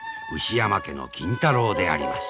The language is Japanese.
山家の金太郎であります。